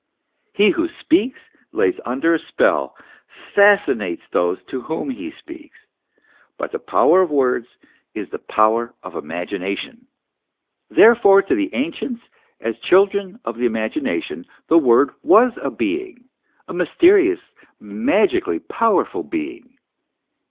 He who speaks, lays under a spell, fascinates those to whom he speaks ; hut the power of words is the power of the imagi nation. Therefore to the ancients, as children of the imagina tion, the Word was a heing a mysterious, magically powerful heing.